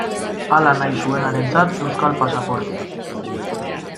Hala nahi zuenarentzat euskal pasaportea.